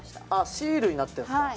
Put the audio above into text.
シールになってるんですか。